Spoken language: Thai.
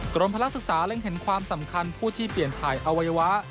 กรมพลักษึกษเล็งเห็นความสำคัญผู้ที่เปลี่ยนถ่ายอวัยวะ